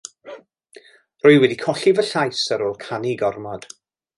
Rwy wedi colli fy llais ar ôl canu gormod.